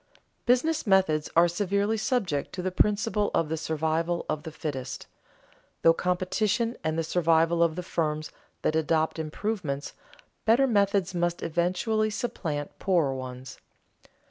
Business methods are severely subject to the principle of the survival of the fittest. Through competition and the survival of the firms that adopt improvements, better methods must eventually supplant poorer ones.